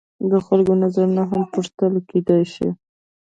د خلکو نظرونه هم پوښتل کیدای شي.